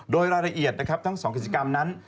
โดยรายละเอียดนะครับทั้ง๒กิจกรรมนั้น